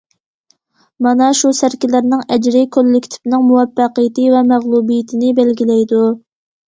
مانا شۇ سەركىلەرنىڭ ئەجرى كوللېكتىپنىڭ مۇۋەپپەقىيىتى ۋە مەغلۇبىيىتىنى بەلگىلەيدۇ.